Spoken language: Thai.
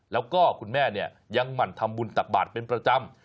แล้วก็คุณแม่เนี่ยยังหมั่นทำบุญตักบาทเป็นประจำ